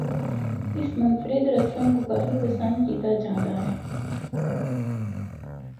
اس منفرد رسم کو کافی پسند کیتا جاندا اے۔